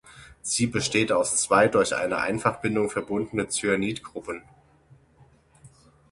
Sie besteht aus zwei durch eine Einfachbindung verbundenen Cyanid-Gruppen.